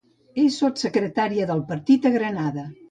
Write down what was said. És sotssecretària del partit a Granada.